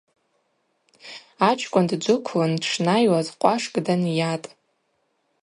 Ачкӏвын дджвыквлын дшнайуаз къвашкӏ данйатӏ.